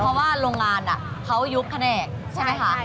เพราะว่าโรงงานเขายุบแผนกใช่ไหมคะ